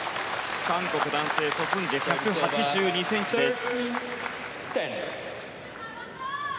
韓国男性、ソ・スンジェ１８２ｃｍです。